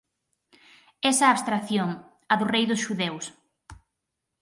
Esa abstracción, a do “Rei dos Xudeus”.